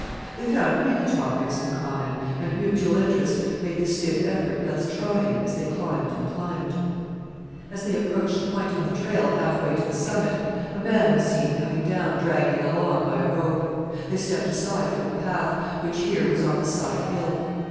They found many topics in common, and mutual interest made the stiff effort less trying as they climbed and climbed. As they approached a point on the trail, half way to the summit, a man was seen coming down, dragging a log by a rope. They stepped aside from the path, which here was on the side hill.